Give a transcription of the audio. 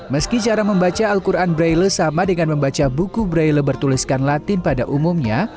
meski cara membaca al quran braille sama dengan membaca buku braille bertuliskan latin pada umumnya